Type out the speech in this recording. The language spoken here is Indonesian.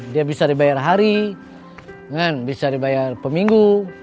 dia bisa dibayar hari bisa dibayar pemilu